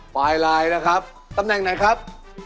ไฟล์ไลน์นะครับตำแหน่งไหนครับ